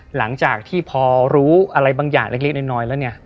หลังจากที่พอรู้อะไรบางอย่างเล็กน้อยแล้วเนี่ย